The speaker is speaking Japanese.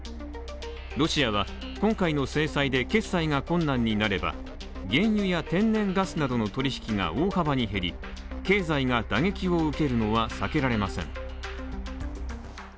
ロシアは今回の制裁で、決済が困難になれば原油や天然ガスなどの取引が大幅に減り経済が打撃を受けるのは避けられません。